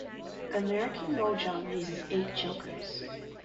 American mahjong uses eight jokers.